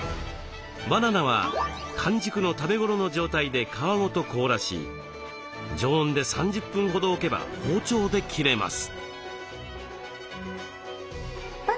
バナナは完熟の食べごろの状態で皮ごと凍らし常温で３０分ほど置けば包丁で切れます。